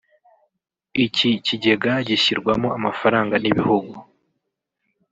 Iki kigega gishyirwamo amafaranga n’ibihugu